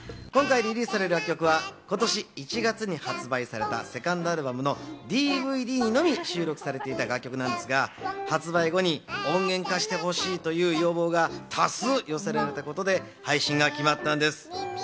今回リリースされる楽曲は今年１月に発売されたセカンドアルバムのＤＶＤにのみ収録されていた楽曲なんですが、発売後に音源化してほしいという要望が多数寄せられたことで配信が決まったんです。